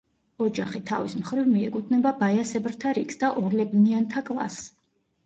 ოჯახი თავის მხრივ მიეკუთვნება ბაიასებრთა რიგს და ორლებნიანთა კლასს.